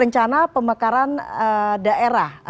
rencana pemekaran daerah